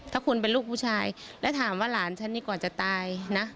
ถ้าคุณเป็นลูกผู้ชายแล้วถามว่าหลานฉันนี่กว่าจะตายนะ